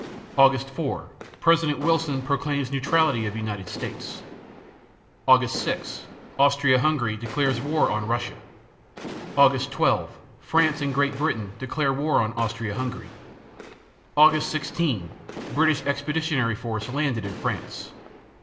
Aug. 4 President Wilson proclaims neutrality of United States. Aug. 6 Austria Hungary declares war on Russia. Aug. 12 France and Great Britain declare war on Austria Hungary. Aug. 16 British expeditionary force landed in France.